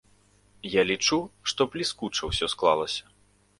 Я лічу, што бліскуча ўсё склалася.